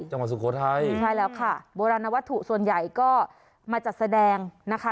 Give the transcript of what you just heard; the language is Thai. สุโขทัยใช่แล้วค่ะโบราณวัตถุส่วนใหญ่ก็มาจัดแสดงนะคะ